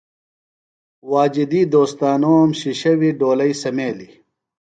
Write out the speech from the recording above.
واجدی دوستانوم شِشیویۡ ڈولئی سمیلیۡ۔